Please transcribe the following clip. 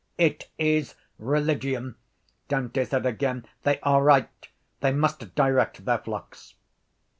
—It is religion, Dante said again. They are right. They must direct their flocks.